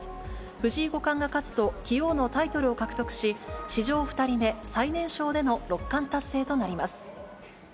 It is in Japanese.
藤井五冠が勝つと、棋王のタイトルを獲得し、史上２人目、最年少での六冠達成となります。